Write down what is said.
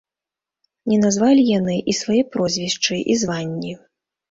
Не назвалі яны і свае прозвішчы і званні.